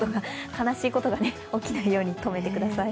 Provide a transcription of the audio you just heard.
悲しいことが起きないように、とめてください。